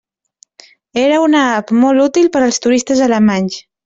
Era una app molt útil per als turistes alemanys.